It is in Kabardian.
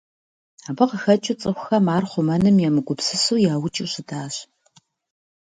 Абы къыхэкӀыу цӀыхухэм ар хъумэным емыгупсысу яукӀыу щытащ.